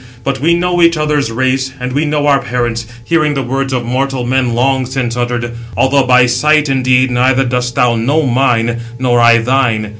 But we know each other's race, and we know our parents, hearing the words of mortal men long since uttered; although by sight, indeed, neither dost thou know mine, nor I thine.